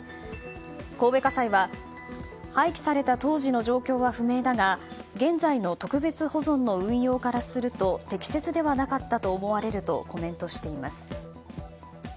神戸家裁は、廃棄された当時の状況は不明だが現在の特別保存の運用からすると適切ではなかったと思われるとコメントしています。